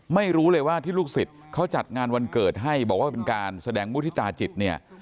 ไม่รู้เลยว่าที่ลูกศิษย์เขาจัดงานวันเกิดให้บอกว่าเป็นการแสดงมุฒิตาจิตเนี่ย